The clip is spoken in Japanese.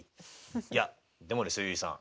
いやでもですよ結衣さん